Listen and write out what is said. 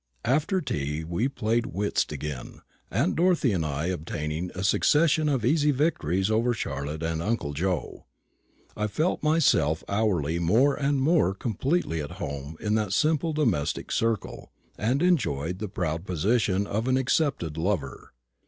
After tea we played whist again, aunt Dorothy and I obtaining a succession of easy victories over Charlotte and uncle Joe. I felt myself hourly more and more completely at home in that simple domestic circle, and enjoyed the proud position of an accepted lover.